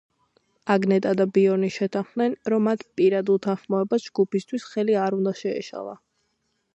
აგნეტა და ბიორნი შეთანხმდნენ, რომ მათ პირად უთანხმოებას ჯგუფისთვის ხელი არ უნდა შეეშალა.